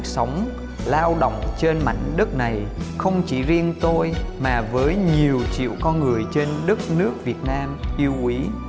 sống lao động trên mảnh đất này không chỉ riêng tôi mà với nhiều triệu con người trên đất nước việt nam yêu quý